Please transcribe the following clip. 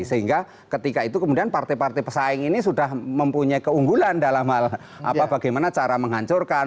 sehingga ketika itu kemudian partai partai pesaing ini sudah mempunyai keunggulan dalam hal bagaimana cara menghancurkan